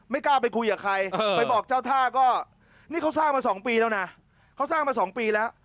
กล้าไปคุยกับใครไปบอกเจ้าท่าก็นี่เขาสร้างมา๒ปีแล้วนะเขาสร้างมา๒ปีแล้ว